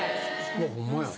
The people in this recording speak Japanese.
ホンマや。